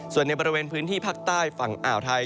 ส่วนในบริเวณพื้นที่ภาคใต้ฝั่งอ่าวไทย